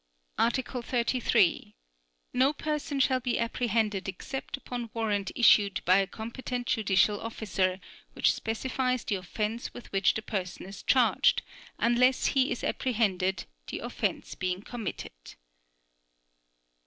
Article 33. No person shall be apprehended except upon warrant issued by a competent judicial officer which specifies the offense with which the person is charged, unless he is apprehended, the offense being committed.